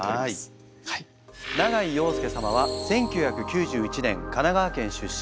永井陽右様は１９９１年神奈川県出身。